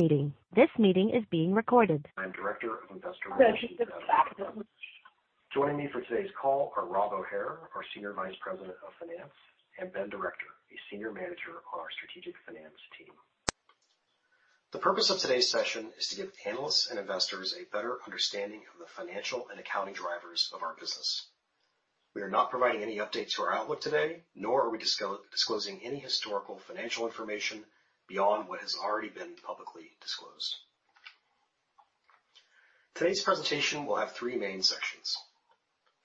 I'm Director of Investor Relations. Joining me for today's call are Rob O'Hare, our Senior Vice President of Finance, and Ben Director, a Senior Manager on our Strategic Finance team. The purpose of today's session is to give analysts and investors a better understanding of the financial and accounting drivers of our business. We are not providing any updates to our outlook today, nor are we disclosing any historical financial information beyond what has already been publicly disclosed. Today's presentation will have three main sections.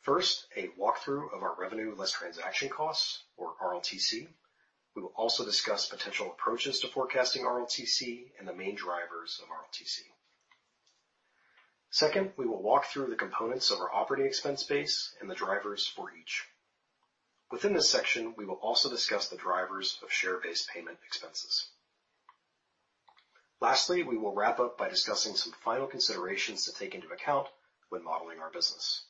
First, a walkthrough of our revenue less transaction costs or RLTC. We will also discuss potential approaches to forecasting RLTC and the main drivers of RLTC. Second, we will walk through the components of our operating expense base and the drivers for each. Within this section, we will also discuss the drivers of share-based payment expenses. Lastly, we will wrap up by discussing some final considerations to take into account when modeling our business.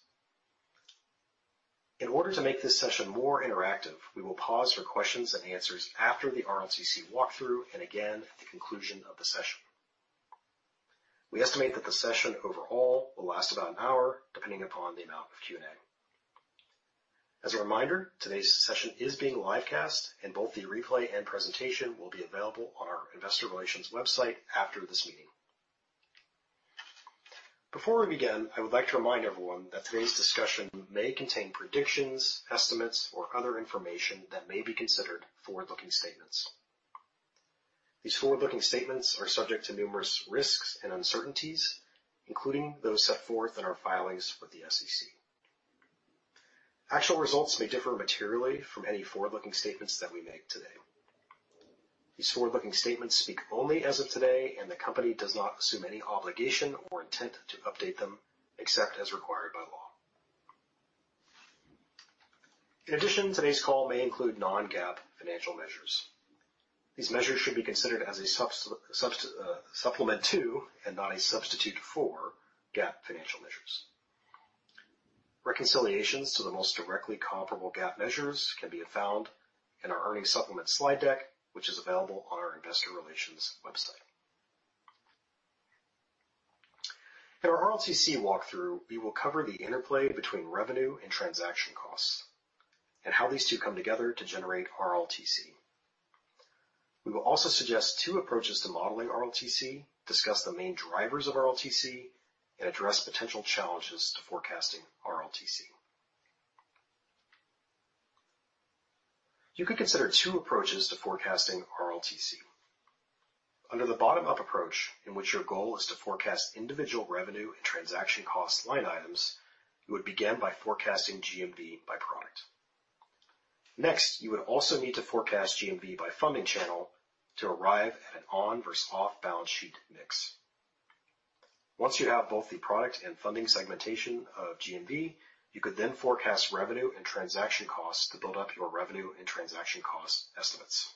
In order to make this session more interactive, we will pause for questions and answers after the RLTC walkthrough and again at the conclusion of the session. We estimate that the session overall will last about an hour, depending upon the amount of Q&A. As a reminder, today's session is being live-cast, and both the replay and presentation will be available on our investor relations website after this meeting. Before we begin, I would like to remind everyone that today's discussion may contain predictions, estimates, or other information that may be considered forward-looking statements. These forward-looking statements are subject to numerous risks and uncertainties, including those set forth in our filings with the SEC. Actual results may differ materially from any forward-looking statements that we make today. These forward-looking statements speak only as of today, and the company does not assume any obligation or intent to update them, except as required by law. In addition, today's call may include non-GAAP financial measures. These measures should be considered as a supplement to, and not a substitute for, GAAP financial measures. Reconciliations to the most directly comparable GAAP measures can be found in our earnings supplement slide deck, which is available on our investor relations website. In our RLTC walkthrough, we will cover the interplay between revenue and transaction costs and how these two come together to generate RLTC. We will also suggest two approaches to modeling RLTC, discuss the main drivers of RLTC, and address potential challenges to forecasting RLTC. You could consider two approaches to forecasting RLTC. Under the bottom-up approach, in which your goal is to forecast individual revenue and transaction cost line items, you would begin by forecasting GMV by product. Next, you would also need to forecast GMV by funding channel to arrive at an on versus off-balance sheet mix. Once you have both the product and funding segmentation of GMV, you could then forecast revenue and transaction costs to build up your revenue and transaction cost estimates.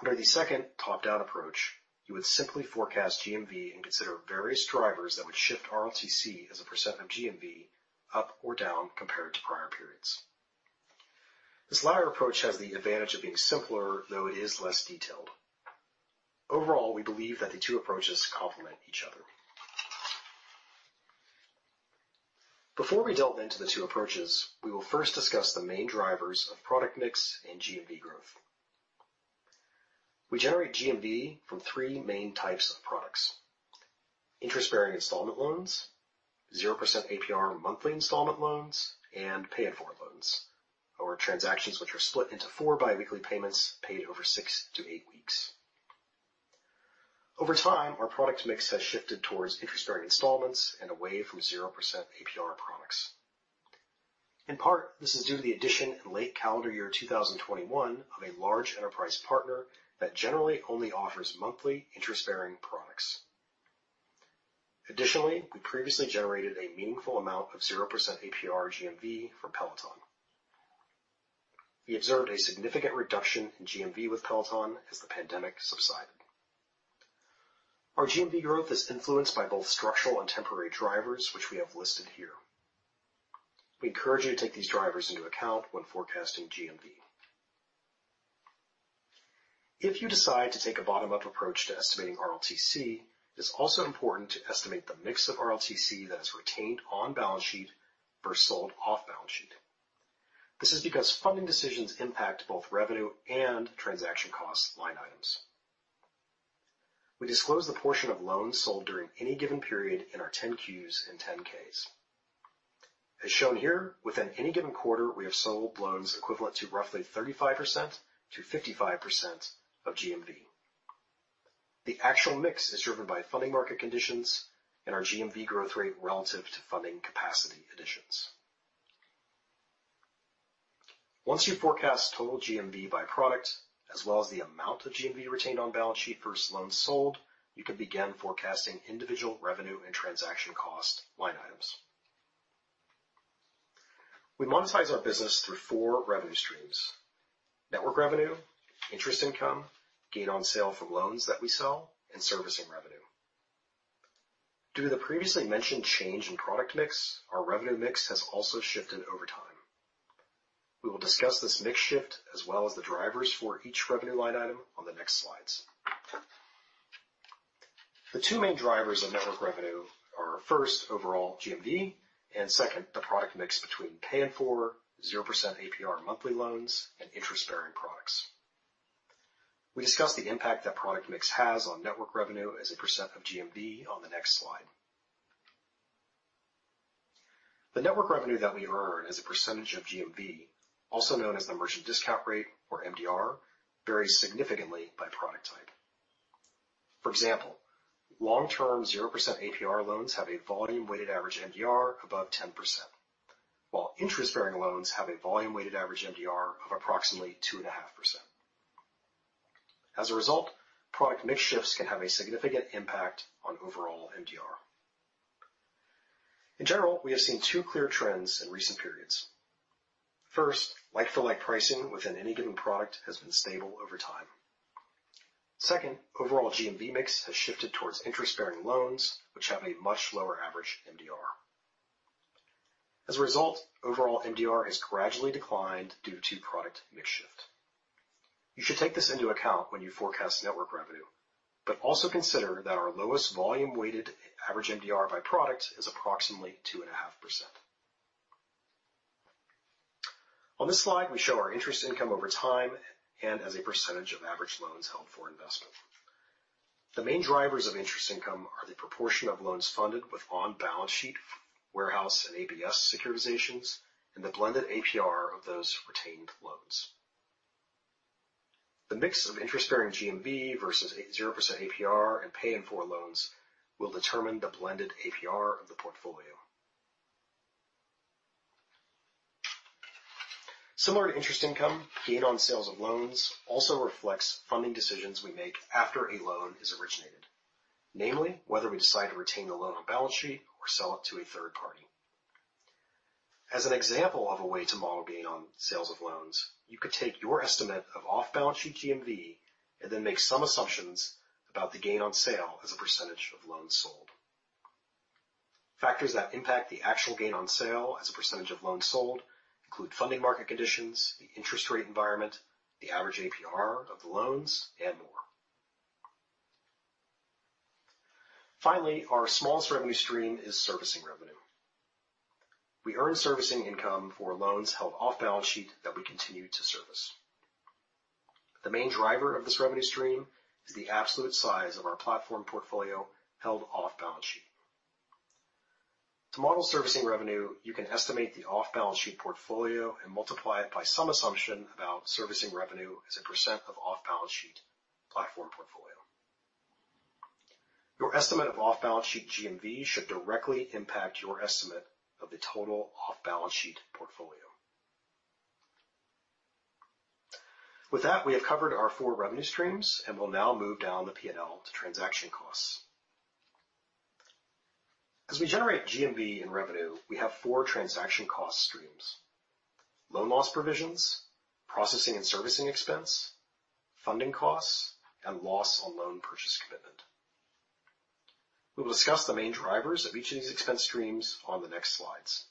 Under the second top-down approach, you would simply forecast GMV and consider various drivers that would shift RLTC as a percent of GMV up or down compared to prior periods. This latter approach has the advantage of being simpler, though it is less detailed. Overall, we believe that the two approaches complement each other. Before we delve into the two approaches, we will first discuss the main drivers of product mix and GMV growth. We generate GMV from three main types of products: interest-bearing installment loans, 0% APR monthly installment loans, and Pay in 4 loans, or transactions which are split into four bi-weekly payments paid over six to eight weeks. Over time, our product mix has shifted towards interest-bearing installments and away from 0% APR products. In part, this is due to the addition in late calendar year 2021 of a large enterprise partner that generally only offers monthly interest-bearing products. We previously generated a meaningful amount of 0% APR GMV from Peloton. We observed a significant reduction in GMV with Peloton as the pandemic subsided. Our GMV growth is influenced by both structural and temporary drivers, which we have listed here. We encourage you to take these drivers into account when forecasting GMV. If you decide to take a bottom-up approach to estimating RLTC, it is also important to estimate the mix of RLTC that is retained on-balance sheet versus sold off-balance sheet. This is because funding decisions impact both revenue and transaction costs line items. We disclose the portion of loans sold during any given period in our Form 10-Q and Form 10-K. As shown here, within any given quarter, we have sold loans equivalent to roughly 35%-55% of GMV. The actual mix is driven by funding market conditions and our GMV growth rate relative to funding capacity additions. Once you forecast total GMV by product, as well as the amount of GMV retained on-balance sheet versus loans sold, you can begin forecasting individual revenue and transaction cost line items. We monetize our business through four revenue streams: network revenue, interest income, gain on sale from loans that we sell, and servicing revenue. Due to the previously mentioned change in product mix, our revenue mix has also shifted over time. We will discuss this mix shift as well as the drivers for each revenue line item on the next slides. The two main drivers of network revenue are, first, overall GMV, and second, the product mix between pay-in-full, 0% APR monthly loans, and interest-bearing products. We discuss the impact that product mix has on network revenue as a percent of GMV on the next slide. The network revenue that we earn as a percent of GMV, also known as the Merchant Discount Rate or MDR, varies significantly by product type. For example, long-term 0% APR loans have a volume-weighted average MDR above 10%, while interest-bearing loans have a volume-weighted average MDR of approximately 2.5%. As a result, product mix shifts can have a significant impact on overall MDR. In general, we have seen two clear trends in recent periods. First, like-for-like pricing within any given product has been stable over time. Second, overall GMV mix has shifted towards interest-bearing loans, which have a much lower average MDR. As a result, overall MDR has gradually declined due to product mix shift. You should take this into account when you forecast network revenue, but also consider that our lowest volume-weighted average MDR by product is approximately 2.5%. On this slide, we show our interest income over time and as a percentage of average loans held for investment. The main drivers of interest income are the proportion of loans funded with on-balance sheet, warehouse, and ABS securitizations, and the blended APR of those retained loans. The mix of interest-bearing GMV versus 0% APR and pay-in-full loans will determine the blended APR of the portfolio. Similar to interest income, gain on sales of loans also reflects funding decisions we make after a loan is originated, namely, whether we decide to retain the loan on balance sheet or sell it to a third party. As an example of a way to model gain on sales of loans, you could take your estimate of off-balance sheet GMV and then make some assumptions about the gain on sale as a percentage of loans sold. Factors that impact the actual gain on sale as a percentage of loans sold include funding market conditions, the interest rate environment, the average APR of the loans, and more. Our smallest revenue stream is servicing revenue. We earn servicing income for loans held off balance sheet that we continue to service. The main driver of this revenue stream is the absolute size of our platform portfolio held off balance sheet. To model servicing revenue, you can estimate the off-balance sheet portfolio and multiply it by some assumption about servicing revenue as a percent of off-balance sheet platform portfolio. Your estimate of off-balance sheet GMV should directly impact your estimate of the total off-balance sheet portfolio. With that, we have covered our four revenue streams and will now move down the P&L to transaction costs. As we generate GMV in revenue, we have four transaction cost streams: loan loss provisions, processing and servicing expense, funding costs, and loss on loan purchase commitment. We will discuss the main drivers of each of these expense streams on the next slides.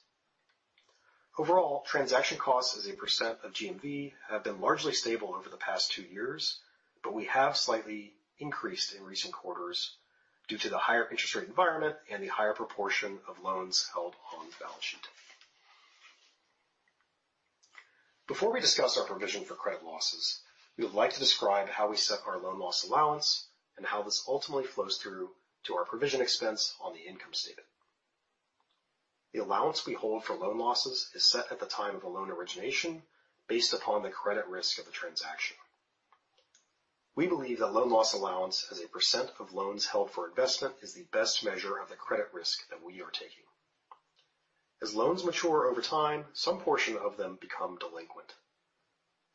Overall, transaction costs as a percent of GMV have been largely stable over the past two years, but we have slightly increased in recent quarters due to the higher interest rate environment and the higher proportion of loans held on the balance sheet. Before we discuss our provision for credit losses, we would like to describe how we set our loan loss allowance and how this ultimately flows through to our provision expense on the income statement. The allowance we hold for loan losses is set at the time of the loan origination, based upon the credit risk of the transaction. We believe that loan loss allowance as a percent of loans held for investment is the best measure of the credit risk that we are taking. As loans mature over time, some portion of them become delinquent.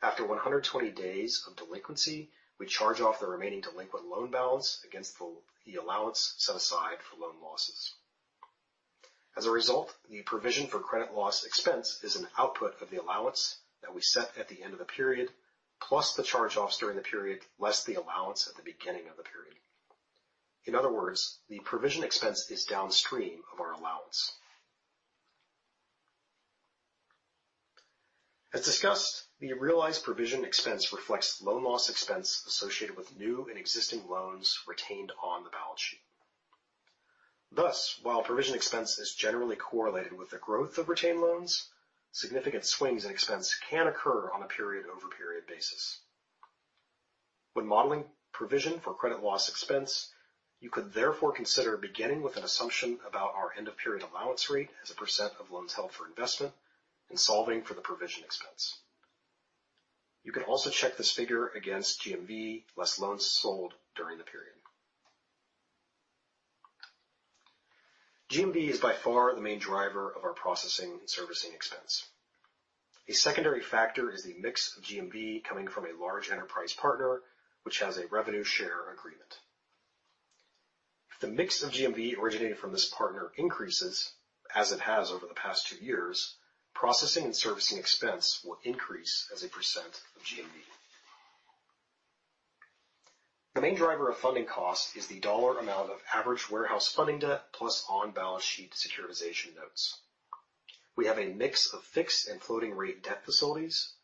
After 120 days of delinquency, we charge off the remaining delinquent loan balance against the allowance set aside for loan losses. As a result, the provision for credit loss expense is an output of the allowance that we set at the end of the period, plus the charge-offs during the period, less the allowance at the beginning of the period. In other words, the provision expense is downstream of our allowance. As discussed, the realized provision expense reflects loan loss expense associated with new and existing loans retained on the balance sheet. While provision expense is generally correlated with the growth of retained loans, significant swings in expense can occur on a period-over-period basis. When modeling provision for credit loss expense, you could therefore consider beginning with an assumption about our end-of-period allowance rate as a percent of loans held for investment and solving for the provision expense. You can also check this figure against GMV, less loans sold during the period. GMV is by far the main driver of our processing and servicing expense. A secondary factor is the mix of GMV coming from a large enterprise partner, which has a revenue share agreement. If the mix of GMV originating from this partner increases, as it has over the past two years, processing and servicing expense will increase as a percent of GMV. The main driver of funding costs is the dollar amount of average warehouse funding debt plus on-balance sheet securitization notes. We have a mix of fixed and floating-rate debt facilities.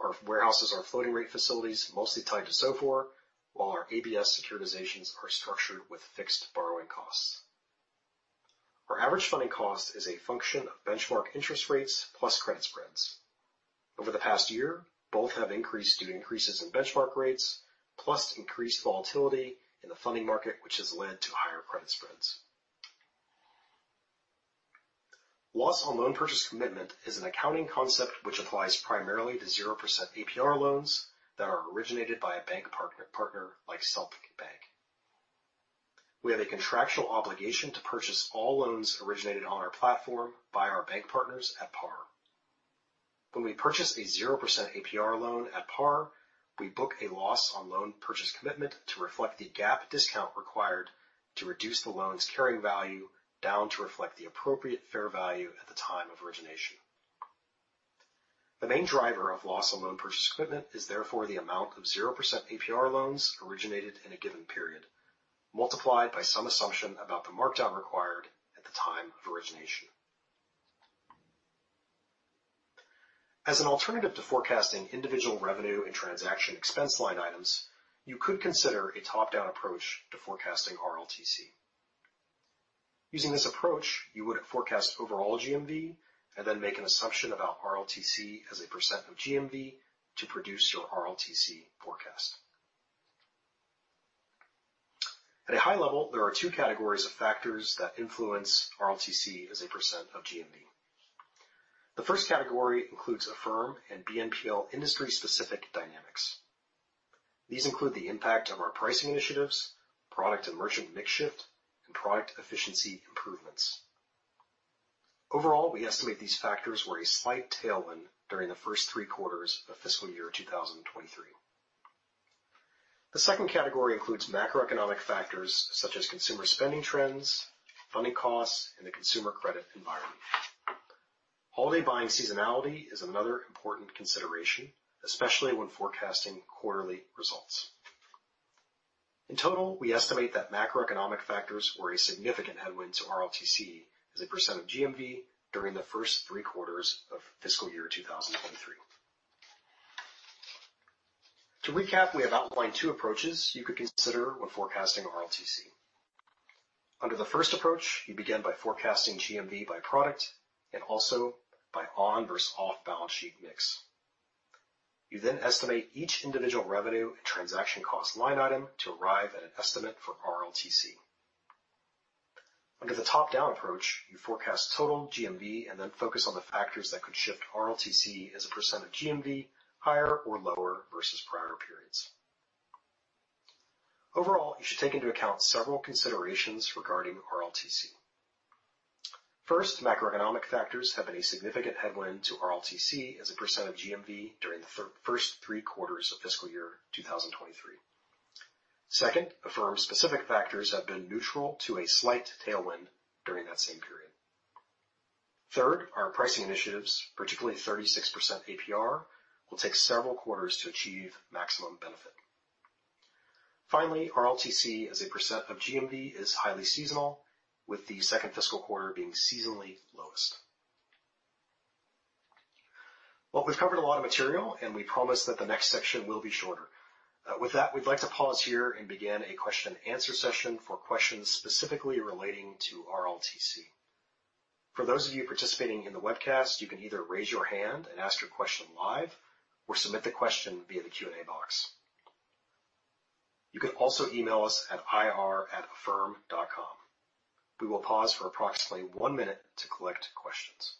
Our warehouses are floating-rate facilities, mostly tied to SOFR, while our ABS securitizations are structured with fixed borrowing costs. Our average funding cost is a function of benchmark interest rates plus credit spreads. Over the past year, both have increased due to increases in benchmark rates, plus increased volatility in the funding market, which has led to higher credit spreads. Loss on loan purchase commitment is an accounting concept which applies primarily to 0% APR loans that are originated by a bank partner like Celtic Bank. We have a contractual obligation to purchase all loans originated on our platform by our bank partners at par. When we purchase a 0% APR loan at par, we book a loss on loan purchase commitment to reflect the GAAP discount required to reduce the loan's carrying value down to reflect the appropriate fair value at the time of origination. The main driver of loss on loan purchase commitment is therefore the amount of 0% APR loans originated in a given period, multiplied by some assumption about the markdown required at the time of origination. As an alternative to forecasting individual revenue and transaction expense line items, you could consider a top-down approach to forecasting RLTC. Using this approach, you would forecast overall GMV and then make an assumption about RLTC as a percent of GMV to produce your RLTC forecast. At a high level, there are two categories of factors that influence RLTC as a percent of GMV. The first category includes Affirm and BNPL industry-specific dynamics. These include the impact of our pricing initiatives, product and merchant mix shift, and product efficiency improvements. Overall, we estimate these factors were a slight tailwind during the first three quarters of fiscal year 2023. The second category includes macroeconomic factors such as consumer spending trends, funding costs, and the consumer credit environment. Holiday buying seasonality is another important consideration, especially when forecasting quarterly results. In total, we estimate that macroeconomic factors were a significant headwind to RLTC as a percent of GMV during the first three quarters of fiscal year 2023. To recap, we have outlined two approaches you could consider when forecasting RLTC. Under the first approach, you begin by forecasting GMV by product and also by on versus off-balance sheet mix. You estimate each individual revenue and transaction cost line item to arrive at an estimate for RLTC. Under the top-down approach, you forecast total GMV and focus on the factors that could shift RLTC as a percent of GMV, higher or lower versus prior periods. Overall, you should take into account several considerations regarding RLTC. First, macroeconomic factors have been a significant headwind to RLTC as a percent of GMV during the first three quarters of fiscal year 2023. Second, Affirm-specific factors have been neutral to a slight tailwind during that same period. Third, our pricing initiatives, particularly 36% APR, will take several quarters to achieve maximum benefit. Finally, RLTC, as a percent of GMV, is highly seasonal, with the second fiscal quarter being seasonally lowest. Well, we've covered a lot of material, we promise that the next section will be shorter. With that, we'd like to pause here and begin a question and answer session for questions specifically relating to RLTC. For those of you participating in the webcast, you can either raise your hand and ask your question live or submit the question via the Q&A box. You can also email us at ir@affirm.com. We will pause for approximately one minute to collect questions.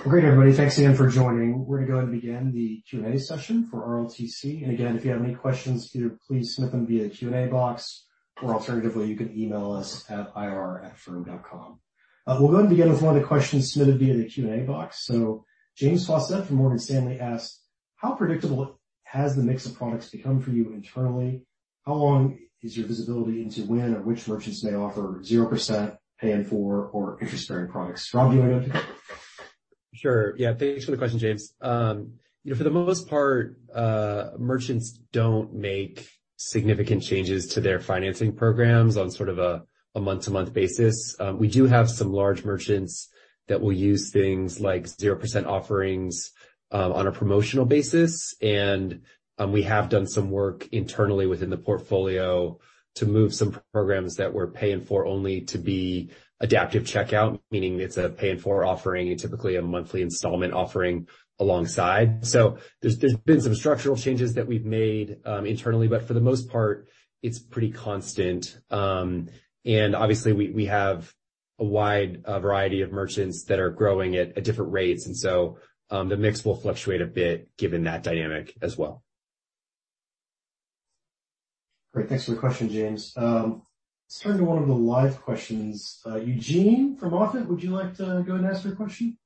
Great, everybody. Thanks again for joining. We're going to go ahead and begin the Q&A session for RLTC. If you have any questions, please submit them via the Q&A box, or alternatively, you can email us at ir@affirm.com. We're going to begin with one of the questions submitted via the Q&A box. James Faucette from Morgan Stanley asked: How predictable has the mix of products become for you internally? How long is your visibility into when or which merchants may offer 0%, Pay in 4 or interest-bearing products? Rob, do you want to go? Sure. Yeah, thanks for the question, James. you know, for the most part, merchants don't make significant changes to their financing programs on sort of a month-to-month basis. We do have some large merchants that will use things like 0% offerings on a promotional basis, and we have done some work internally within the portfolio to move some programs that we're paying for only to be Adaptive Checkout, meaning it's a Pay in 4 offering and typically a monthly installment offering alongside. There's been some structural changes that we've made internally, but for the most part, it's pretty constant. Obviously, we have a wide variety of merchants that are growing at different rates, the mix will fluctuate a bit given that dynamic as well. Great, thanks for the question, James. Let's turn to one of the live questions. Eugene from MoffettNathanson, would you like to go ahead and ask your question?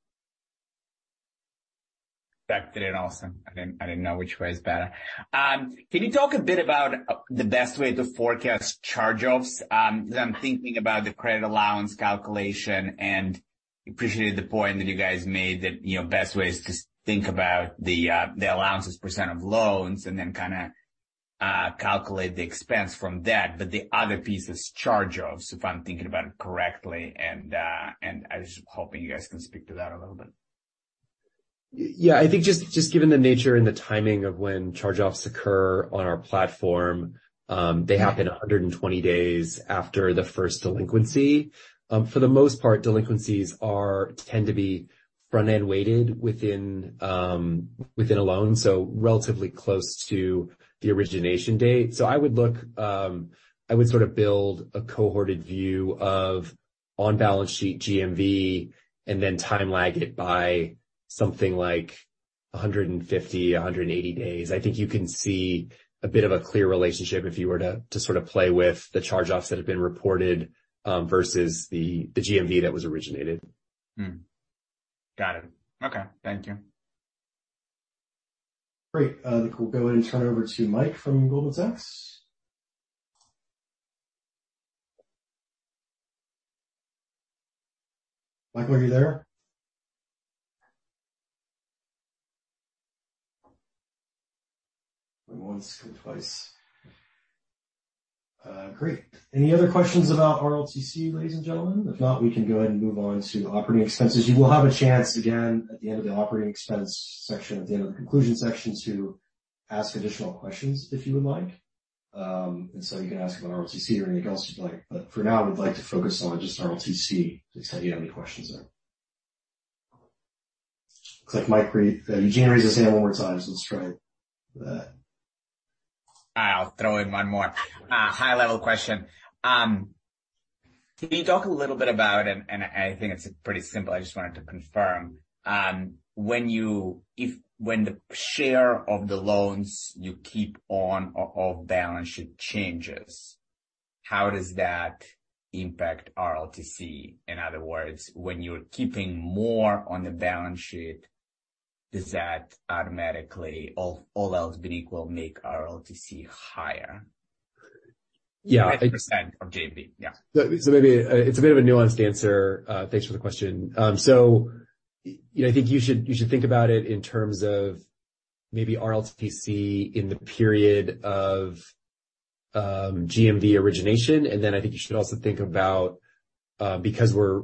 That did it also. I didn't, I didn't know which way is better. Can you talk a bit about the best way to forecast charge-offs? Because I'm thinking about the credit allowance calculation, and I appreciated the point that you guys made that, you know, best way is to think about the allowances percent of loans and then kinda calculate the expense from that. The other piece is charge-offs, if I'm thinking about it correctly, and I was just hoping you guys can speak to that a little bit. I think just given the nature and the timing of when charge-offs occur on our platform, they happen 120 days after the first delinquency. For the most part, delinquencies tend to be front-end weighted within a loan, so relatively close to the origination date. I would look, I would sort of build a cohorted view of on-balance sheet GMV and then time lag it by something like 150, 180 days. I think you can see a bit of a clear relationship if you were to sort of play with the charge-offs that have been reported versus the GMV that was originated. Hmm. Got it. Okay, thank you. Great. I think we'll go ahead and turn it over to Mike from Goldman Sachs. Mike, are you there? Going once, going twice. Great. Any other questions about RLTC, ladies and gentlemen? If not, we can go ahead and move on to operating expenses. You will have a chance again at the end of the operating expense section, at the end of the conclusion section, to ask additional questions if you would like. You can ask about RLTC or anything else you'd like, but for now, I would like to focus on just RLTC, unless you have any questions there. Looks like Eugene raised his hand one more time, so let's try that. I'll throw in one more high-level question. Can you talk a little bit about, and I think it's pretty simple, I just wanted to confirm. When the share of the loans you keep on off balance sheet changes, how does that impact RLTC? In other words, when you're keeping more on the balance sheet, does that automatically, all else being equal, make RLTC higher? Yeah. 5% from JV. Yeah. Maybe, it's a bit of a nuanced answer. Thanks for the question. You know, I think you should think about it in terms of maybe RLTC in the period of GMV origination. Then I think you should also think about, because we're,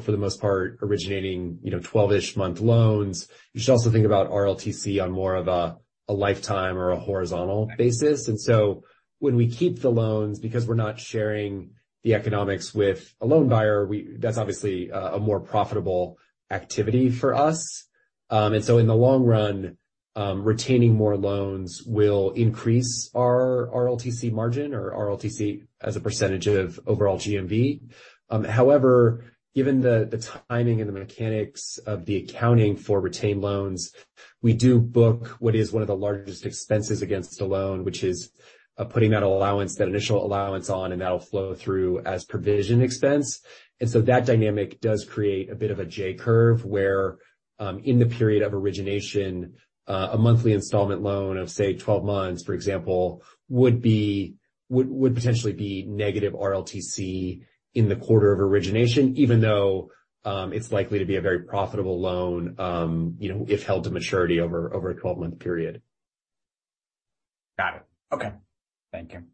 for the most part, originating, you know, 12-ish month loans, you should also think about RLTC on more of a lifetime or a horizontal basis. When we keep the loans, because we're not sharing the economics with a loan buyer, we that's obviously a more profitable activity for us. In the long run, retaining more loans will increase our RLTC margin or RLTC as a percentage of overall GMV. However, given the timing and the mechanics of the accounting for retained loans, we do book what is one of the largest expenses against a loan, which is putting that allowance, that initial allowance on, and that'll flow through as provision expense. That dynamic does create a bit of a J-curve, where in the period of origination, a monthly installment loan of, say, 12 months, for example, would potentially be negative RLTC in the quarter of origination, even though it's likely to be a very profitable loan, you know, if held to maturity over a 12-month period. Got it. Okay, thank you.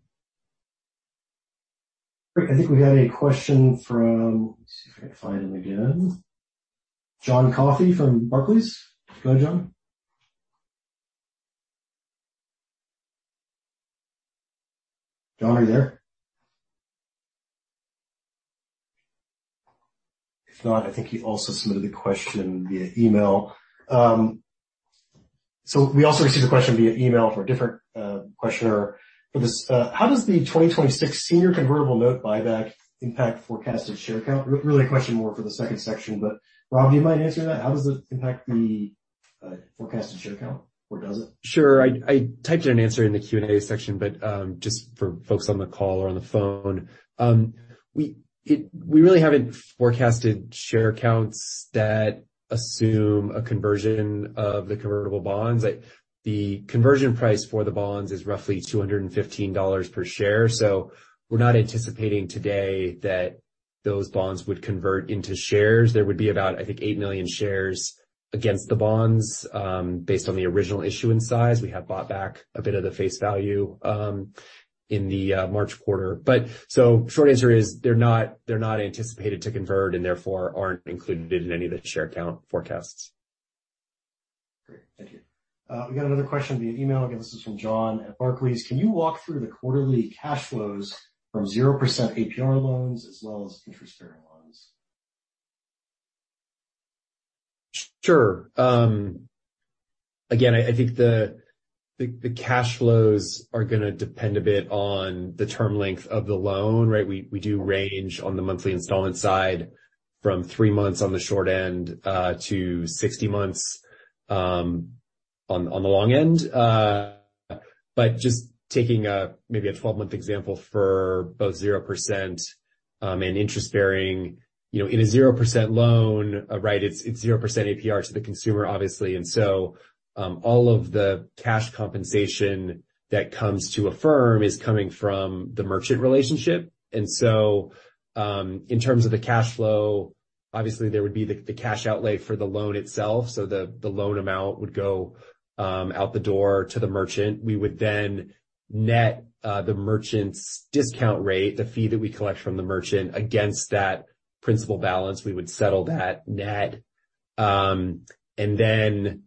Great. I think we had a question from... Let's see if I can find him again. John Coffey from Barclays. Go, John. John, are you there? If not, I think he also submitted the question via email. We also received a question via email from a different questioner. For this, how does the 2026 senior convertible note buyback impact forecasted share count? Really a question more for the second section, but, Rob, do you mind answering that? How does it impact the forecasted share count, or does it? Sure. I typed in an answer in the Q&A section, but, just for folks on the call or on the phone, we really haven't forecasted share counts that assume a conversion of the convertible bonds. Like, the conversion price for the bonds is roughly $215 per share, we're not anticipating today that those bonds would convert into shares. There would be about, I think, 8 million shares against the bonds, based on the original issuance size. We have bought back a bit of the face value in the March quarter. Short answer is, they're not anticipated to convert and therefore aren't included in any of the share count forecasts. We got another question via email. Again, this is from John Coffey at Barclays: Can you walk through the quarterly cash flows from 0% APR loans as well as interest-bearing loans? Sure. Again, I think the, the cash flows are going to depend a bit on the term length of the loan, right? We, we do range on the monthly installment side from three months on the short end, to 60 months, on the long end. Just taking, maybe a 12-month example for both 0%, and interest-bearing, you know, in a 0% loan, right, it's 0% APR to the consumer, obviously. All of the cash compensation that comes to Affirm is coming from the merchant relationship. In terms of the cash flow, obviously, there would be the cash outlay for the loan itself, so the loan amount would go out the door to the merchant. We would then net the Merchant Discount Rate, the fee that we collect from the merchant, against that principal balance. We would settle that net. Then,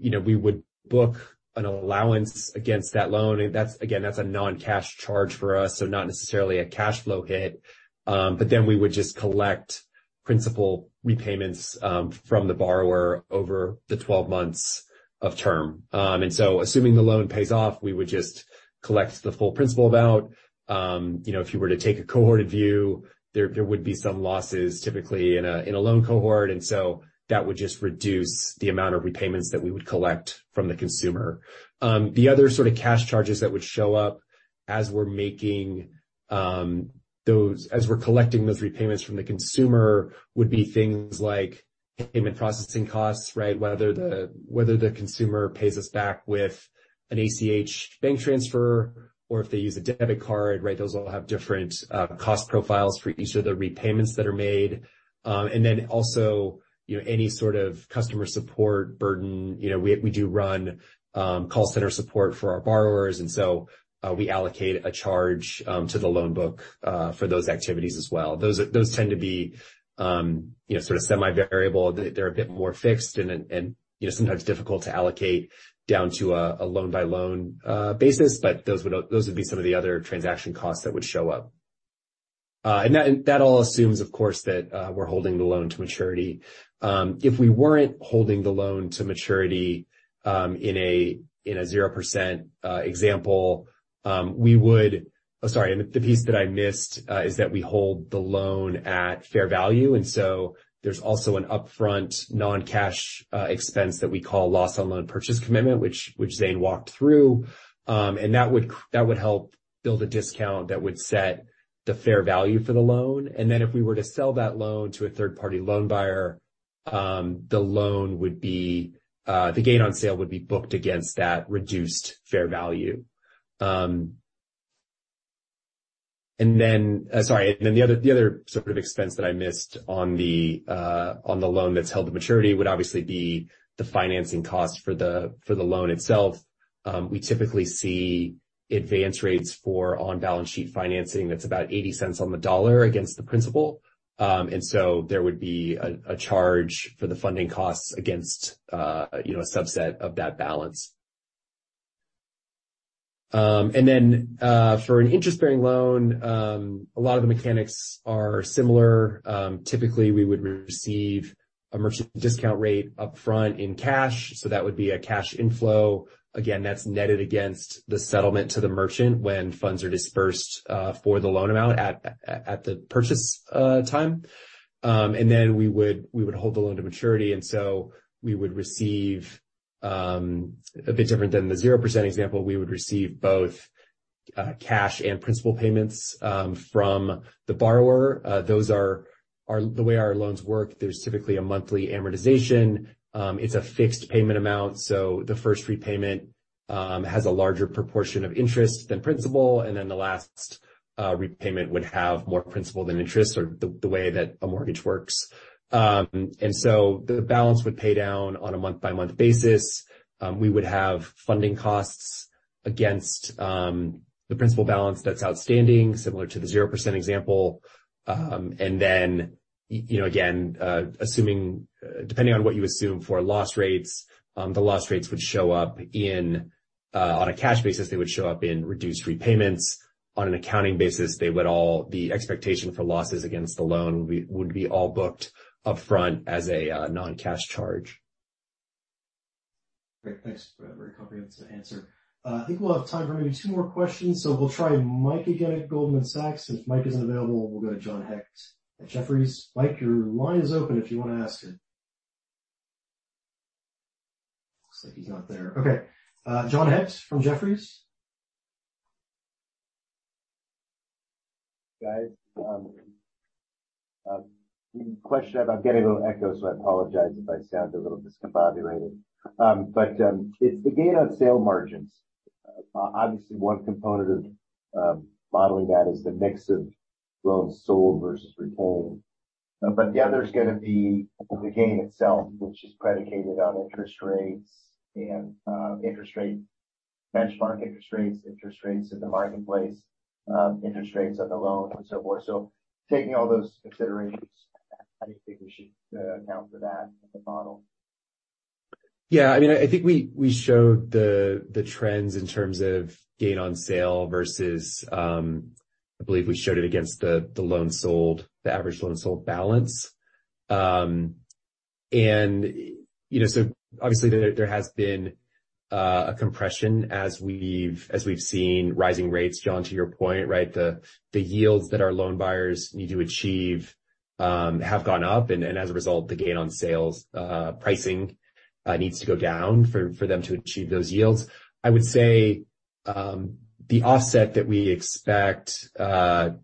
you know, we would book an allowance against that loan. Again, that's a non-cash charge for us, so not necessarily a cash flow hit. Then we would just collect principal repayments from the borrower over the 12 months of term. So assuming the loan pays off, we would just collect the full principal amount. You know, if you were to take a cohort view, there would be some losses, typically in a loan cohort, so that would just reduce the amount of repayments that we would collect from the consumer. The other sort of cash charges that would show up as we're making those... As we're collecting those repayments from the consumer, would be things like payment processing costs, right? Whether the consumer pays us back with an ACH bank transfer or if they use a debit card, right, those all have different cost profiles for each of the repayments that are made. Then also, you know, any sort of customer support burden. You know, we do run call center support for our borrowers, so we allocate a charge to the loan book for those activities as well. Those tend to be, you know, sort of semi-variable. They're a bit more fixed and, you know, sometimes difficult to allocate down to a loan-by-loan basis, those would be some of the other transaction costs that would show up. That all assumes, of course, that we're holding the loan to maturity. If we weren't holding the loan to maturity, in a 0% example, Oh, sorry, the piece that I missed is that we hold the loan at fair value, there's also an upfront non-cash expense that we call loss on loan purchase commitment, which Zane walked through. That would help build a discount that would set the fair value for the loan. If we were to sell that loan to a third-party loan buyer, the gain on sale would be booked against that reduced fair value. Sorry, the other sort of expense that I missed on the loan that's held to maturity would obviously be the financing cost for the loan itself. We typically see advance rates for on-balance sheet financing that's about $0.80 on the dollar against the principal. There would be a charge for the funding costs against, you know, a subset of that balance. For an interest-bearing loan, a lot of the mechanics are similar. Typically, we would receive a Merchant Discount Rate upfront in cash, so that would be a cash inflow. Again, that's netted against the settlement to the merchant when funds are disbursed for the loan amount at the purchase time. Then we would hold the loan to maturity, we would receive a bit different than the 0% example. We would receive both cash and principal payments from the borrower. Those are the way our loans work. There's typically a monthly amortization. It's a fixed payment amount, so the first repayment has a larger proportion of interest than principal, and then the last repayment would have more principal than interest, or the way that a mortgage works. The balance would pay down on a month-by-month basis. We would have funding costs against the principal balance that's outstanding, similar to the 0% example. You know, again, assuming, depending on what you assume for loss rates, the loss rates would show up in on a cash basis, they would show up in reduced repayments. On an accounting basis, The expectation for losses against the loan would be all booked upfront as a non-cash charge. Great. Thanks for that very comprehensive answer. I think we'll have time for maybe two more questions, so we'll try Mike again at Goldman Sachs. If Mike isn't available, we'll go to John Hecht at Jefferies. Mike, your line is open if you want to ask it. Looks like he's not there. Okay. John Hecht from Jefferies? Guys, question about getting a little echo, so I apologize if I sound a little discombobulated. It's the gain on sale margins. Obviously, one component of modeling that is the mix of loans sold versus retained. The other is going to be the gain itself, which is predicated on interest rates and, interest rate, benchmark interest rates, interest rates in the marketplace, interest rates on the loan, and so forth. Taking all those considerations, how do you think we should account for that in the model? Yeah, I mean, I think we showed the trends in terms of gain on sale versus, I believe we showed it against the loan sold, the average loan sold balance. You know, so obviously there has been a compression as we've seen rising rates, John, to your point, right? The yields that our loan buyers need to achieve have gone up, and as a result, the gain on sales pricing needs to go down for them to achieve those yields. I would say, the offset that we expect to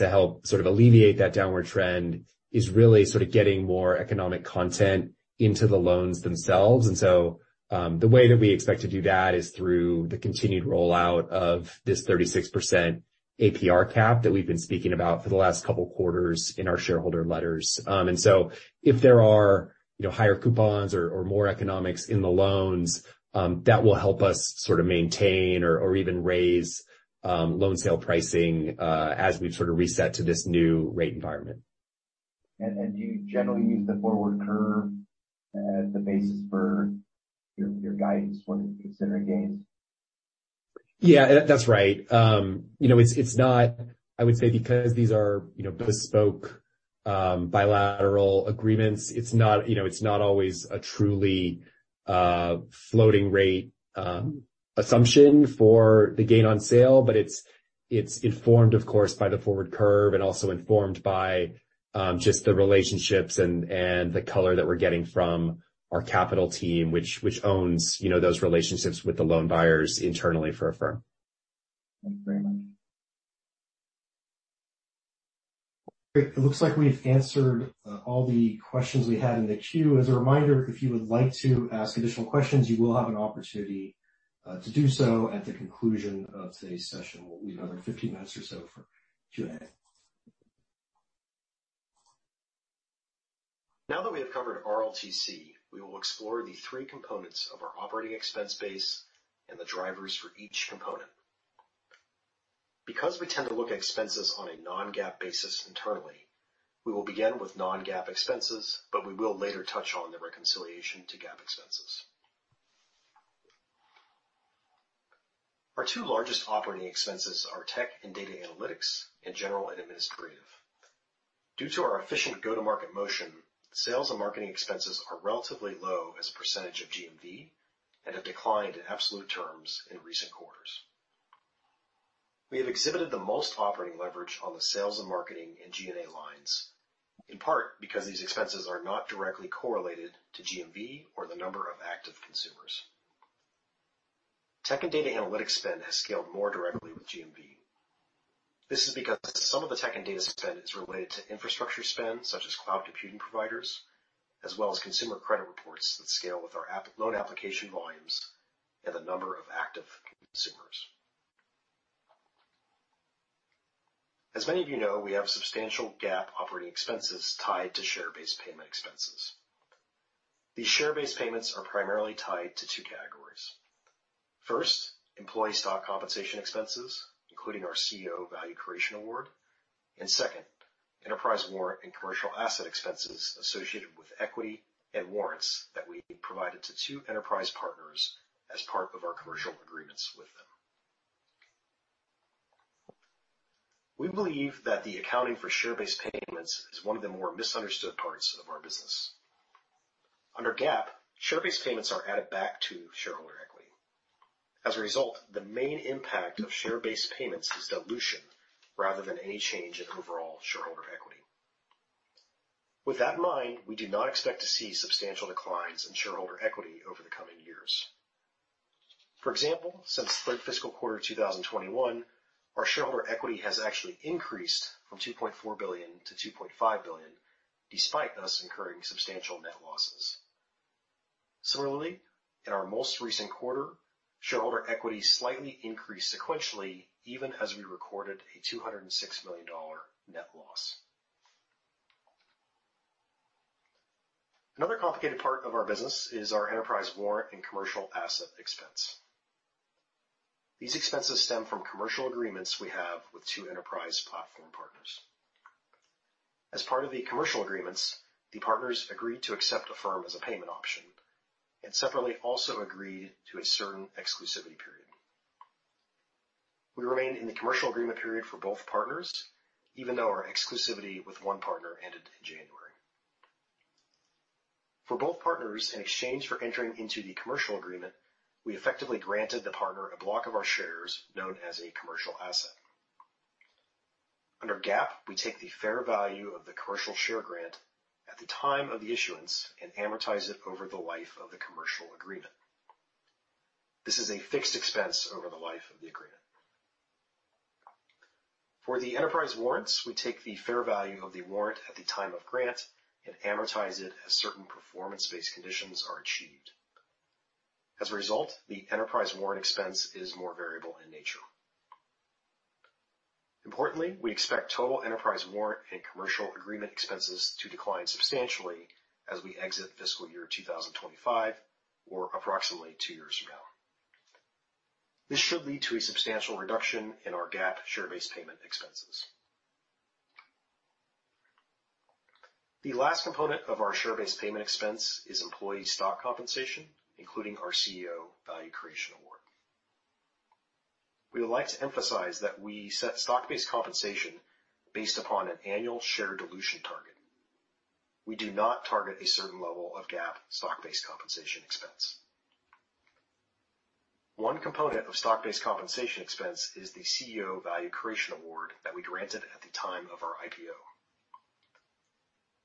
help sort of alleviate that downward trend is really sort of getting more economic content into the loans themselves. The way that we expect to do that is through the continued rollout of this 36% APR cap that we've been speaking about for the last couple of quarters in our shareholder letters. If there are, you know, higher coupons or more economics in the loans, that will help us sort of maintain or even raise loan sale pricing as we sort of reset to this new rate environment. Do you generally use the forward curve as the basis for your guidance when considering gains? Yeah, that's right. you know, it's not, I would say because these are, you know, bespoke, bilateral agreements, it's not, you know, it's not always a truly floating rate assumption for the gain on sale, but it's informed, of course, by the forward curve, and also informed by just the relationships and the color that we're getting from our capital team, which owns, you know, those relationships with the loan buyers internally for Affirm. It looks like we've answered all the questions we had in the queue. As a reminder, if you would like to ask additional questions, you will have an opportunity to do so at the conclusion of today's session. We'll leave another 15 minutes or so for Q&A. Now that we have covered RLTC, we will explore the three components of our operating expense base and the drivers for each component. Because we tend to look at expenses on a non-GAAP basis internally, we will begin with non-GAAP expenses, but we will later touch on the reconciliation to GAAP expenses. Our two largest operating expenses are tech and data analytics, and general and administrative. Due to our efficient go-to-market motion, sales and marketing expenses are relatively low as a percent of GMV and have declined in absolute terms in recent quarters. We have exhibited the most operating leverage on the sales and marketing in G&A lines, in part because these expenses are not directly correlated to GMV or the number of active consumers. Tech and data analytics spend has scaled more directly with GMV. This is because some of the tech and data spend is related to infrastructure spend, such as cloud computing providers, as well as consumer credit reports that scale with our loan application volumes and the number of active consumers. As many of you know, we have substantial GAAP operating expenses tied to share-based payment expenses. These share-based payments are primarily tied to two categories. First, employee stock compensation expenses, including our CEO Value Creation Award. Second, enterprise warrant and commercial asset expenses associated with equity and warrants that we provided to two enterprise partners as part of our commercial agreements with them. We believe that the accounting for share-based payments is one of the more misunderstood parts of our business. Under GAAP, share-based payments are added back to shareholder equity. The main impact of share-based payments is dilution, rather than any change in overall shareholder equity. With that in mind, we do not expect to see substantial declines in shareholder equity over the coming years. Since the third fiscal quarter of 2021, our shareholder equity has actually increased from $2.4 billion-$2.5 billion, despite us incurring substantial net losses. In our most recent quarter, shareholder equity slightly increased sequentially, even as we recorded a $206 million net loss. Another complicated part of our business is our enterprise warrant and commercial asset expense. These expenses stem from commercial agreements we have with two enterprise platform partners. As part of the commercial agreements, the partners agreed to accept Affirm as a payment option, and separately, also agreed to a certain exclusivity period. We remain in the commercial agreement period for both partners, even though our exclusivity with one partner ended in January. For both partners, in exchange for entering into the commercial agreement, we effectively granted the partner a block of our shares, known as a commercial asset. Under GAAP, we take the fair value of the commercial share grant at the time of the issuance and amortize it over the life of the commercial agreement. This is a fixed expense over the life of the agreement. For the enterprise warrants, we take the fair value of the warrant at the time of grant and amortize it as certain performance-based conditions are achieved. As a result, the enterprise warrant expense is more variable in nature. Importantly, we expect total enterprise warrant and commercial agreement expenses to decline substantially as we exit fiscal year 2025, or approximately two years from now. This should lead to a substantial reduction in our GAAP share-based payment expenses. The last component of our share-based payment expense is employee stock compensation, including our CEO Value Creation Award. We would like to emphasize that we set stock-based compensation based upon an annual share dilution target. We do not target a certain level of GAAP stock-based compensation expense. One component of stock-based compensation expense is the CEO Value Creation Award that we granted at the time of our IPO.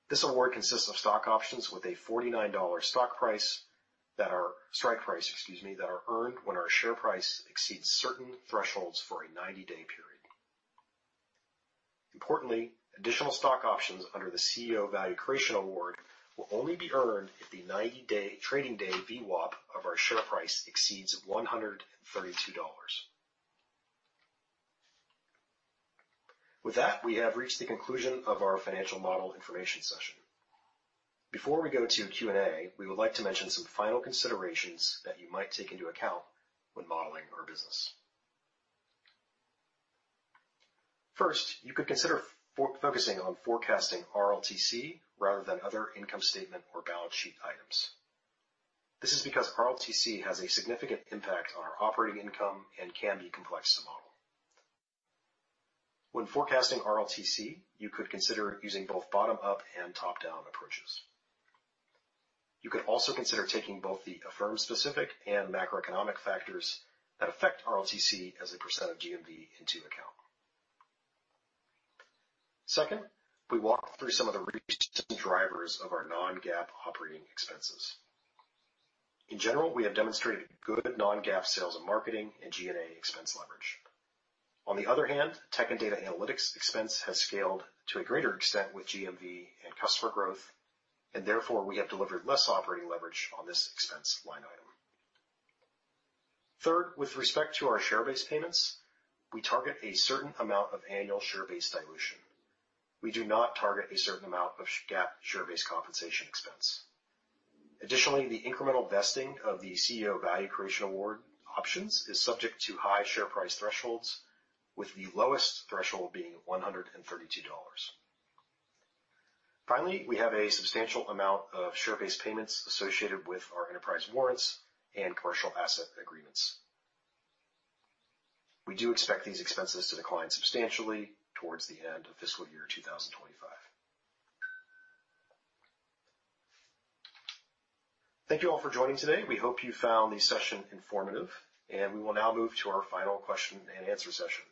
This award consists of stock options with a $49 stock price, strike price, excuse me, that are earned when our share price exceeds certain thresholds for a 90-day period. Importantly, additional stock options under the CEO Value Creation Award will only be earned if the 90-day trading day VWAP of our share price exceeds $132. We have reached the conclusion of our financial model information session. Before we go to Q&A, we would like to mention some final considerations that you might take into account when modeling our business. You could consider focusing on forecasting RLTC rather than other income statement or balance sheet items. This is because RLTC has a significant impact on our operating income and can be complex to model. When forecasting RLTC, you could consider using both bottom-up and top-down approaches. You could also consider taking both the Affirm-specific and macroeconomic factors that affect RLTC as a percent of GMV into account. Second, we walked through some of the recent drivers of our non-GAAP operating expenses. In general, we have demonstrated good non-GAAP sales and marketing and G&A expense leverage. On the other hand, tech and data analytics expense has scaled to a greater extent with GMV and customer growth, and therefore we have delivered less operating leverage on this expense line item. Third, with respect to our share-based payments, we target a certain amount of annual share-based dilution. We do not target a certain amount of GAAP share-based compensation expense. Additionally, the incremental vesting of the CEO Value Creation Award options is subject to high share price thresholds, with the lowest threshold being $132. Finally, we have a substantial amount of share-based payments associated with our enterprise warrants and commercial asset agreements. We do expect these expenses to decline substantially towards the end of fiscal year 2025. Thank you all for joining today. We hope you found the session informative, and we will now move to our final question and answer session.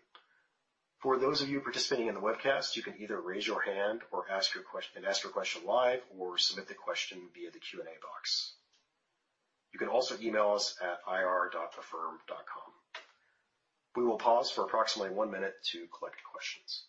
For those of you participating in the webcast, you can either raise your hand or ask your question live, or submit the question via the Q&A box. You can also email us at ir.affirm.com. We will pause for approximately one minute to collect questions.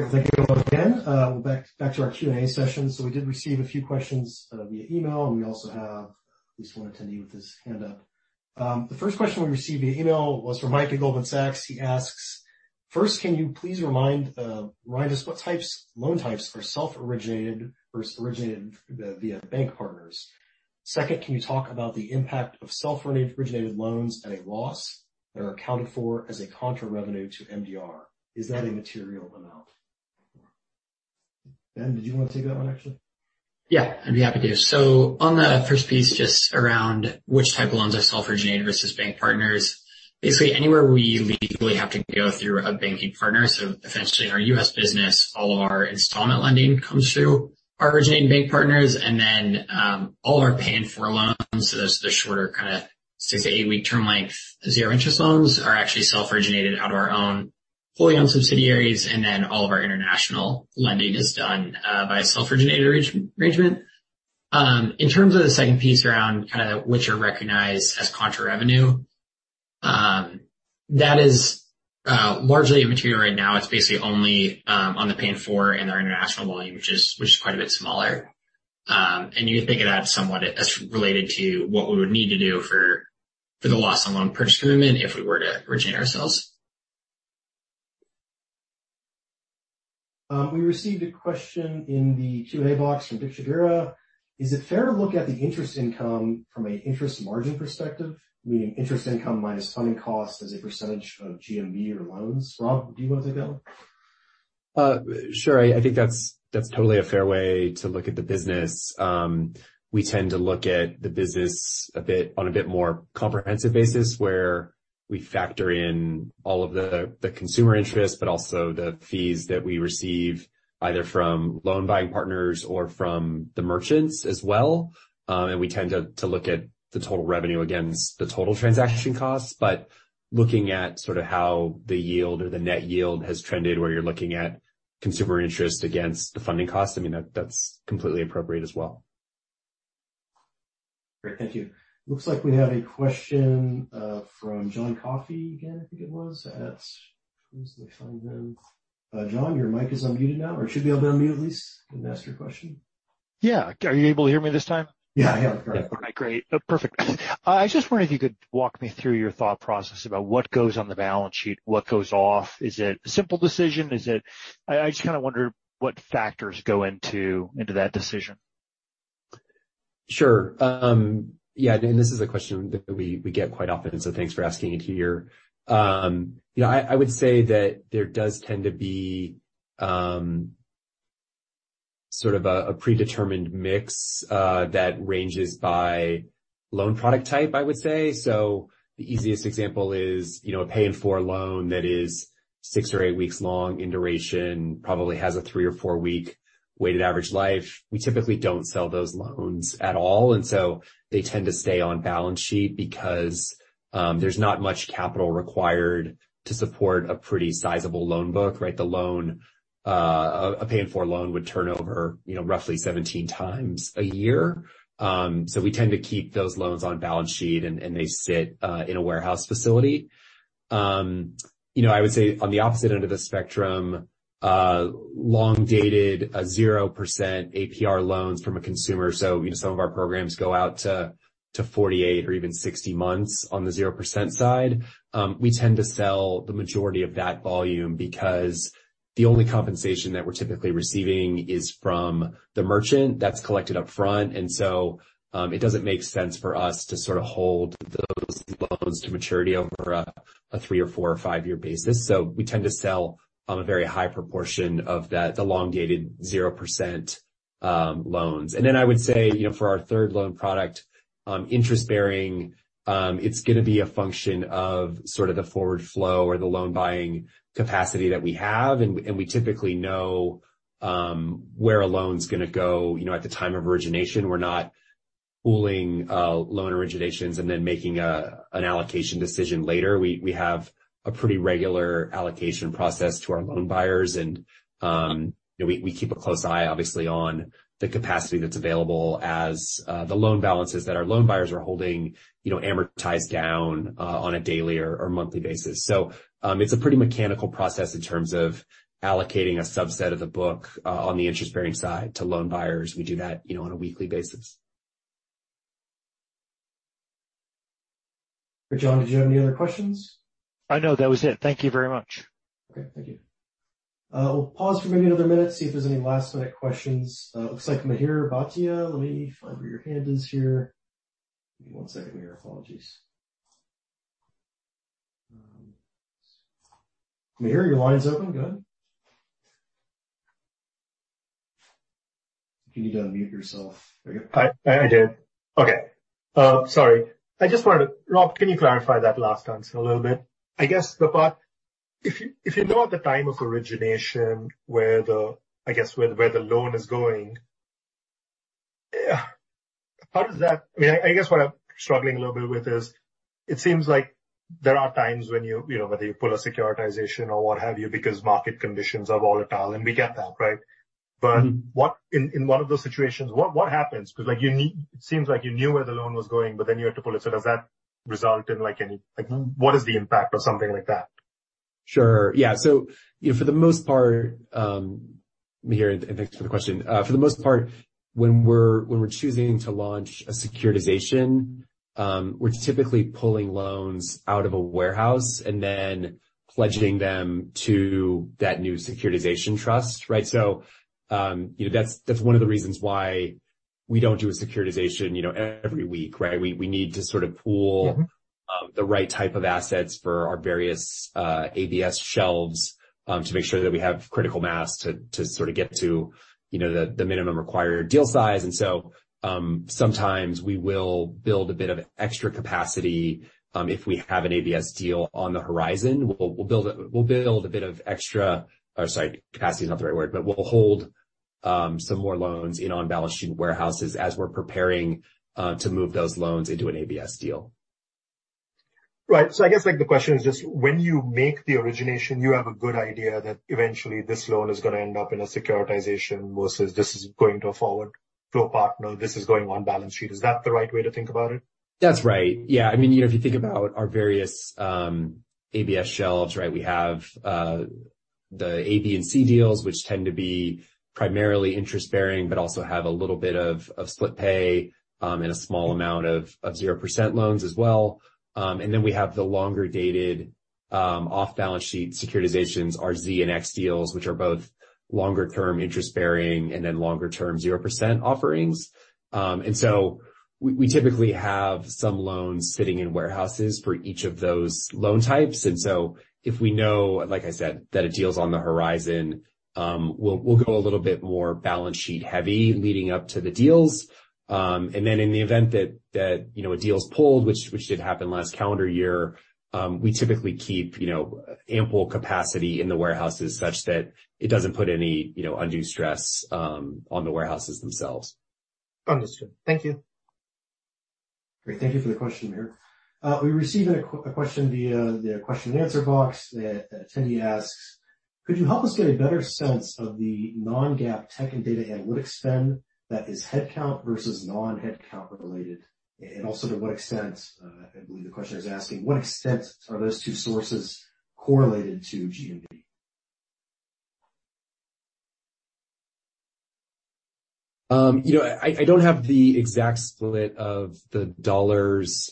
Great. Well, thank you again. We're back to our Q&A session. We did receive a few questions via email, and we also have at least one attendee with his hand up. The first question we received via email was from Mike at Goldman Sachs. He asks: First, can you please remind us what types, loan types are self-originated versus originated via bank partners? Second, can you talk about the impact of self-originated loans at a loss that are accounted for as a contra revenue to MDR? Is that a material amount? Ben, did you want to take that one, actually? Yeah, I'd be happy to. On the first piece, just around which type of loans are self-originated versus bank partners, basically anywhere we legally have to go through a banking partner. Essentially, in our U.S. business, all of our installment lending comes through our originating bank partners. All of our Pay in 4 loans. Those are the shorter, kind of six to eight-week term length, zero interest loans are actually self-originated out of our own fully owned subsidiaries. All of our international lending is done by a self-originated arrangement. In terms of the second piece around kind of which are recognized as contra revenue, that is largely immaterial right now. It's basically only on the Pay in 4 and our international volume, which is quite a bit smaller. You can think of that somewhat as related to what we would need to do for the loss on loan purchase commitment if we were to originate ourselves. We received a question in the Q&A box from [Dick Shagira]. Is it fair to look at the interest income from an interest margin perspective, meaning interest income minus funding costs as a percent of GMV or loans? Rob, do you want to take that one? Sure. I think that's totally a fair way to look at the business. We tend to look at the business on a bit more comprehensive basis, where we factor in all of the consumer interest, but also the fees that we receive, either from loan buying partners or from the merchants as well. We tend to look at the total revenue against the total transaction costs, but looking at sort of how the yield or the net yield has trended, where you're looking at consumer interest against the funding cost, I mean, that's completely appropriate as well. Great. Thank you. Looks like we have a question from John Coffey again, I think it was. Let me see if I can find him. John, your mic is unmuted now, or it should be able to unmute at least, and ask your question. Yeah. Are you able to hear me this time? Yeah, yeah. All right, great. Perfect. I was just wondering if you could walk me through your thought process about what goes on the balance sheet, what goes off. Is it a simple decision? I just kind of wonder what factors go into that decision. Sure. Yeah, this is a question that we get quite often, so thanks for asking it here. You know, I would say that there does tend to be, sort of a predetermined mix, that ranges by loan product type, I would say. The easiest example is, you know, a Pay in 4 loan that is six or eight weeks long in duration, probably has a three or four week weighted average life. We typically don't sell those loans at all, and so they tend to stay on balance sheet because, there's not much capital required to support a pretty sizable loan book, right? The loan, a Pay in 4 loan would turn over, you know, roughly 17 times a year. We tend to keep those loans on balance sheet, and they sit in a warehouse facility. You know, I would say on the opposite end of the spectrum, long-dated, 0% APR loans from a consumer. You know, some of our programs go out to 48 or even 60 months on the 0% side. We tend to sell the majority of that volume because the only compensation that we're typically receiving is from the merchant that's collected up front. It doesn't make sense for us to sort of hold those loans to maturity over a three or four or five-year basis. We tend to sell a very high proportion of that, the long-dated 0% loans. I would say, you know, for our third loan product, interest-bearing, it's gonna be a function of sort of the forward flow or the loan buying capacity that we have. We typically know, where a loan's gonna go, you know, at the time of origination. We're not pooling, loan originations and then making an allocation decision later. We have a pretty regular allocation process to our loan buyers, and, you know, we keep a close eye, obviously, on the capacity that's available as the loan balances that our loan buyers are holding, you know, amortized down on a daily or monthly basis. It's a pretty mechanical process in terms of allocating a subset of the book, on the interest-bearing side to loan buyers. We do that, you know, on a weekly basis. John, did you have any other questions? No, that was it. Thank you very much. Okay, thank you. We'll pause for maybe another minute, see if there's any last-minute questions. Looks like Mihir Bhatia, let me find where your hand is here. Give me one second, Mihir. Apologies. Mihir, your line's open. Go ahead. You need to unmute yourself. I did. Okay. Sorry. I just wanted to Rob, can you clarify that last answer a little bit? I guess the part... If you know at the time of origination where the, I guess, where the loan is going, how does that, I mean, I guess what I'm struggling a little bit with is, it seems like there are times when you know, whether you pull a securitization or what have you, because market conditions are volatile, and we get that, right? Mm-hmm. What, in one of those situations, what happens? Like, you need it seems like you knew where the loan was going, but then you had to pull it. Does that result in, like, any like, what is the impact or something like that? Sure. Yeah. You know, for the most part, Mihir, and thanks for the question. For the most part, when we're choosing to launch a securitization, we're typically pulling loans out of a warehouse and then pledging them to that new securitization trust, right? You know, that's one of the reasons why we don't do a securitization, you know, every week, right? We need to sort of pool the right type of assets for our various ABS shelves to make sure that we have critical mass to sort of get to, you know, the minimum required deal size. Sometimes we will build a bit of extra capacity if we have an ABS deal on the horizon. We'll build a bit of extra, or sorry, capacity is not the right word, but we'll hold some more loans in on-balance sheet warehouses as we're preparing to move those loans into an ABS deal. Right. I guess, like, the question is just, when you make the origination, you have a good idea that eventually this loan is gonna end up in a securitization versus this is going to a forward flow partner, this is going on balance sheet. Is that the right way to think about it? That's right. Yeah. I mean, you know, if you think about our various ABS shelves, right? We have the A, B, and C deals, which tend to be primarily interest-bearing, but also have a little bit of split pay, and a small amount of 0% loans as well. Then we have the longer-dated, off-balance sheet securitizations, our Z and X deals, which are both longer-term interest-bearing and then longer-term 0% offerings. We typically have some loans sitting in warehouses for each of those loan types. If we know, like I said, that a deal is on the horizon, we'll go a little bit more balance sheet heavy leading up to the deals. In the event that, you know, a deal is pulled, which did happen last calendar year, we typically keep, you know, ample capacity in the warehouses such that it doesn't put any, you know, undue stress on the warehouses themselves. Understood. Thank you. Great. Thank you for the question, Amir. We received a question via the question and answer box. The attendee asks: Could you help us get a better sense of the non-GAAP tech and data analytics spend that is headcount versus non-headcount related? Also, to what extent, I believe the question is asking, what extent are those two sources correlated to GMV? You know, I don't have the exact split of the dollars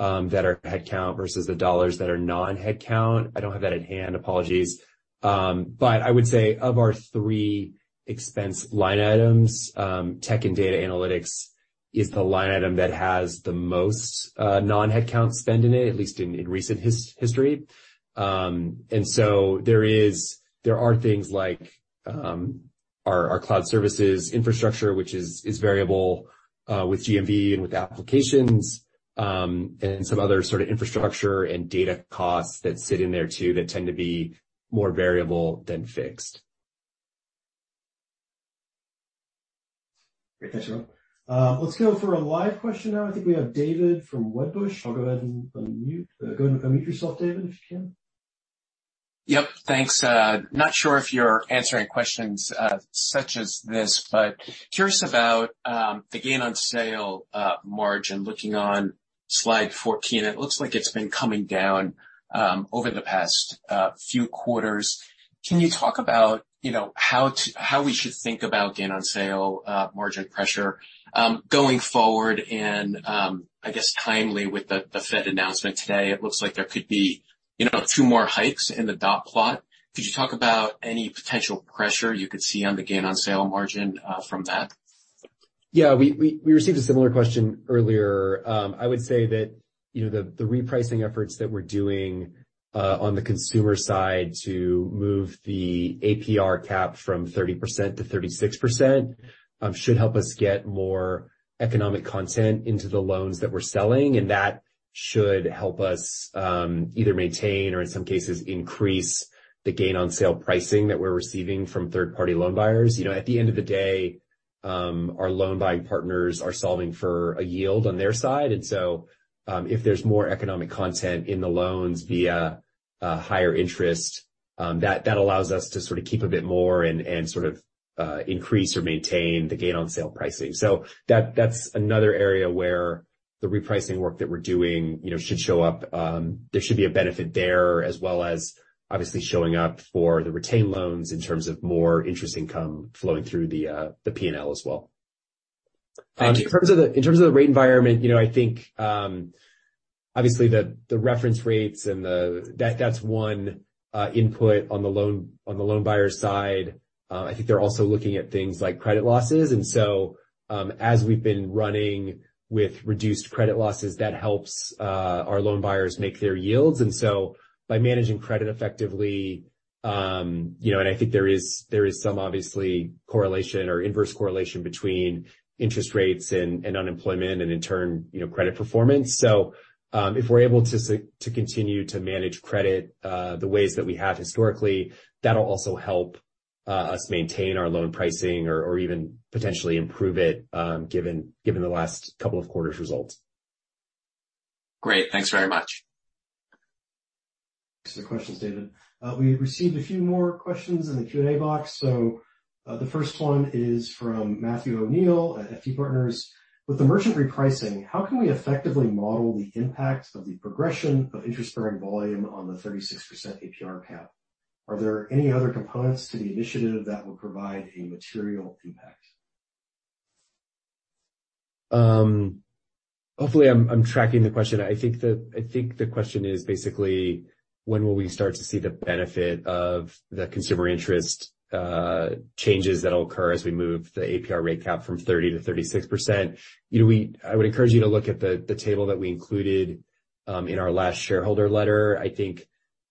that are headcount versus the dollars that are non-headcount. I don't have that at hand. Apologies. I would say, of our three expense line items, tech and data analytics is the line item that has the most non-headcount spend in it, at least in recent history. There are things like our cloud services infrastructure, which is variable with GMV and with applications, and some other sort of infrastructure and data costs that sit in there, too, that tend to be more variable than fixed. Great. Thanks, everyone. let's go for a live question now. I think we have David from Wedbush. I'll go ahead and unmute. go ahead and unmute yourself, David, if you can. Yep, thanks. Not sure if you're answering questions such as this, but curious about the gain on sale margin. Looking on slide 14, it looks like it's been coming down over the past few quarters. Can you talk about, you know, how we should think about gain on sale margin pressure going forward? I guess timely with the Fed announcement today, it looks like there could be, you know, a few more hikes in the dot plot. Could you talk about any potential pressure you could see on the gain on sale margin from that? Yeah, we received a similar question earlier. I would say that, you know, the repricing efforts that we're doing on the consumer side to move the APR cap from 30%-36% should help us get more economic content into the loans that we're selling, and that should help us either maintain or in some cases, increase the gain on sale pricing that we're receiving from third-party loan buyers. You know, at the end of the day, our loan buying partners are solving for a yield on their side, if there's more economic content in the loans via a higher interest, that allows us to sort of keep a bit more and sort of increase or maintain the gain on sale pricing. That, that's another area where the repricing work that we're doing, you know, should show up. There should be a benefit there, as well as obviously showing up for the retained loans in terms of more interest income flowing through the P&L as well. In terms of the rate environment, you know, I think, obviously, the reference rates and the. That's one input on the loan buyer side. I think they're also looking at things like credit losses, and so, as we've been running with reduced credit losses, that helps our loan buyers make their yields. By managing credit effectively, you know, and I think there is some obviously correlation or inverse correlation between interest rates and unemployment and in turn, you know, credit performance. If we're able to continue to manage credit the ways that we have historically, that'll also help us maintain our loan pricing or even potentially improve it, given the last couple of quarters' results. Great. Thanks very much. Thanks for the questions, David. We received a few more questions in the Q&A box, the first one is from Matthew O'Neill at FT Partners: With the merchant repricing, how can we effectively model the impact of the progression of interest-bearing volume on the 36% APR cap? Are there any other components to the initiative that will provide a material impact? Hopefully, I'm tracking the question. I think the question is basically: When will we start to see the benefit of the consumer interest changes that will occur as we move the APR rate cap from 30%-36%? You know, I would encourage you to look at the table that we included in our last shareholder letter. I think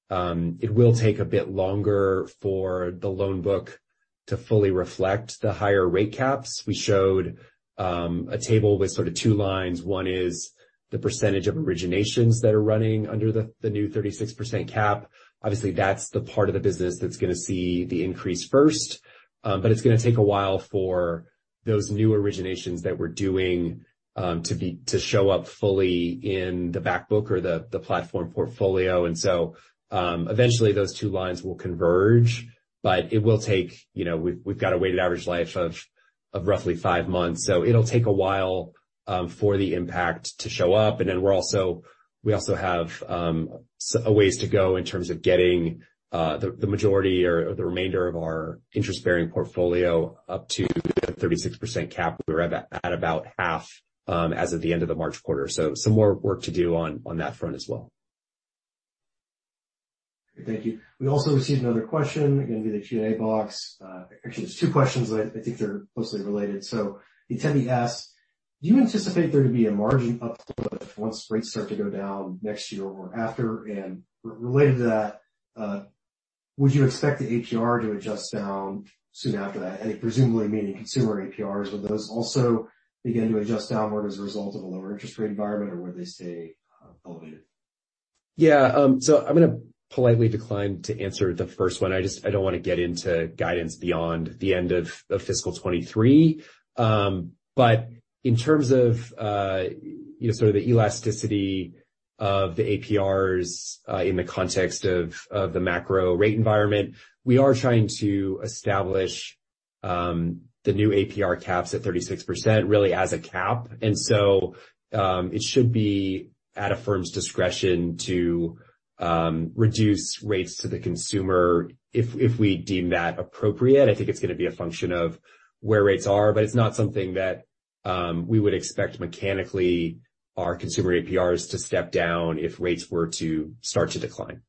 it will take a bit longer for the loan book to fully reflect the higher rate caps. We showed a table with sort of two lines. One is the percentage of originations that are running under the new 36% cap. Obviously, that's the part of the business that's going to see the increase first, but it's going to take a while for those new originations that we're doing, to show up fully in the back book or the platform portfolio. Eventually, those two lines will converge, but it will take. You know, we've got a weighted average life of roughly five months, so it'll take a while, for the impact to show up. We also have a ways to go in terms of getting the majority or the remainder of our interest-bearing portfolio up to the 36% cap. We're at about half, as of the end of the March quarter, so some more work to do on that front as well. Thank you. We also received another question, again, via the Q&A box. Actually, there's two questions. I think they're closely related. The attendee asks: Do you anticipate there to be a margin uplift once rates start to go down next year or after? Related to that, would you expect the APR to adjust down soon after that? I think presumably, meaning consumer APRs. Will those also begin to adjust downward as a result of a lower interest rate environment, or will they stay elevated? Yeah, I don't want to get into guidance beyond the end of fiscal 23. In terms of, you know, sort of the elasticity of the APRs, in the context of the macro rate environment, we are trying to establish the new APR caps at 36%, really as a cap. It should be at Affirm's discretion to reduce rates to the consumer if we deem that appropriate. I think it's going to be a function of where rates are, but it's not something that we would expect mechanically our consumer APRs to step down if rates were to start to decline.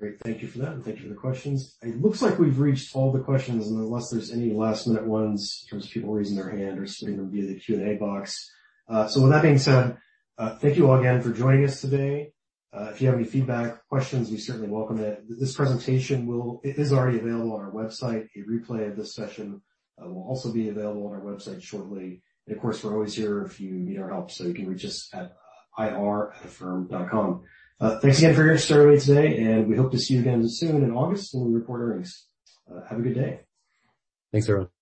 Great. Thank you for that, and thank you for the questions. It looks like we've reached all the questions, unless there's any last-minute ones in terms of people raising their hand or submitting them via the Q&A box. With that being said, thank you all again for joining us today. If you have any feedback, questions, we certainly welcome it. This presentation is already available on our website. A replay of this session will also be available on our website shortly. Of course, we're always here if you need our help, so you can reach us at ir@affirm.com. Thanks again for your interest in Affirm today, and we hope to see you again soon in August when we report earnings. Have a good day. Thanks, everyone.